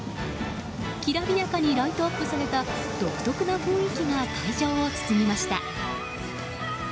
きらびやかにライトアップされた独特な雰囲気が会場を包みました。